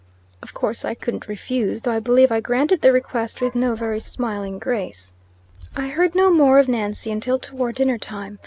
Of course, I couldn't refuse, though I believe I granted the request with no very smiling grace. I heard no more of Nancy until toward dinner time.